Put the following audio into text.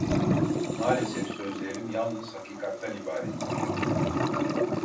Maalesef sözlerim yalnız hakikatten ibarettir.